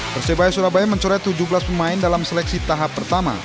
persebaya surabaya mencoret tujuh belas pemain dalam seleksi tahap pertama